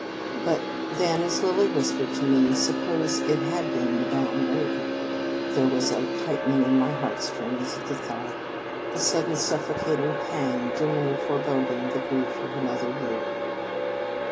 But then, as Lilly whispered to me, suppose it had been Madame Rayburn. There was a tightening of my heart strings at the thought, a sudden suffocating pang, dimly foreboding the grief of another year.